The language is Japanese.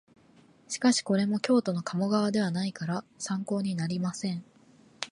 しかしこれも京都の鴨川ではないから参考になりません